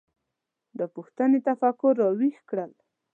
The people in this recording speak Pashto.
دا پوښتنې تفکر راویښ کړل.